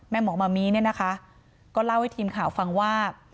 หมอมามีเนี่ยนะคะก็เล่าให้ทีมข่าวฟังว่า